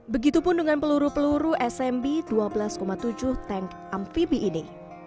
begitupun dengan peluru peluru smb dua belas tujuh tank amfibi ini